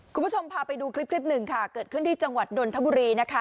คุณผู้ชมพาไปดูคลิปคลิปหนึ่งค่ะเกิดขึ้นที่จังหวัดนนทบุรีนะคะ